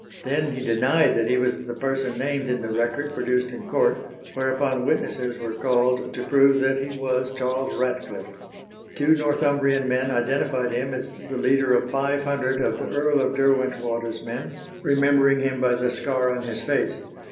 Then he denied that he was the person named in the record produced in court, whereupon witnesses were called to prove that he was Charles Ratcliffe. Two Northumbrian men identified him as the leader of five hundred of the Earl of Derwentwater's men, remembering him by the scar on his face.